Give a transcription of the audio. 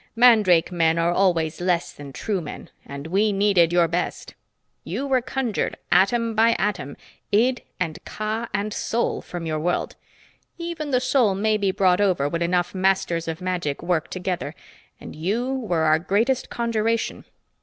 Mandrake men are always less than true men, and we needed your best. You were conjured atom by atom, id and ka and soul, from your world. Even the soul may be brought over when enough masters of magic work together and you were our greatest conjuration.